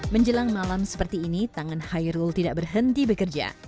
menjelang malam seperti ini tangan hairul tidak berhenti bekerja